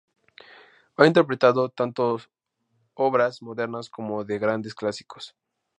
Ha interpretado tanto obras modernas como de grandes clásicos.